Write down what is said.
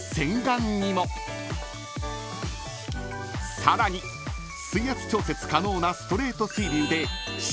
［さらに水圧調節可能なストレート水流で］